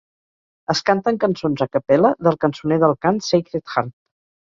Es canten cançons a cappella del cançoner del cant Sacred Harp.